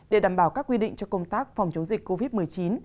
để đảm bảo các quy định cho công tác phòng chống dịch covid một mươi chín